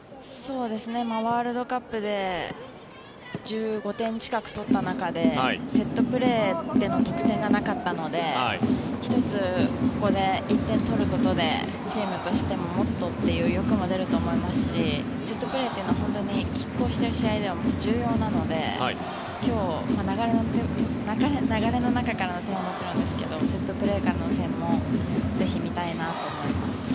ワールドカップで１５点近く取った中でセットプレーでの得点がなかったので１つ、ここで１点取ることでチームとしてももっとという欲も出ると思いますしセットプレーというのはきっ抗している試合では重要なので今日は流れの中からの点はもちろんですけどセットプレーからの点もぜひ見たいなと思います。